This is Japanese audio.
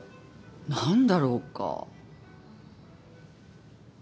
何だろうか？